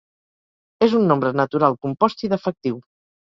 És un nombre natural compost i defectiu.